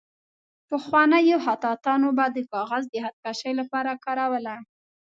پخوانیو خطاطانو به د کاغذ د خط کشۍ لپاره کاروله.